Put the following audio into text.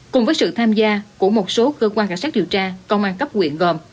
cùng với sự tham gia của một số cơ quan cảnh sát điều tra công an cấp quyện gồm